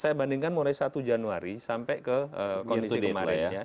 saya bandingkan mulai satu januari sampai ke kondisi kemarin